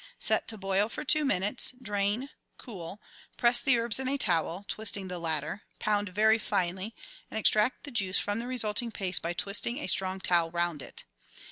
Set to boil for two minutes, drain, cool, press the herbs in a towel, twisting the latter; pound very finely, and extract the juice from the resulting paste by twisting a strong towel round it.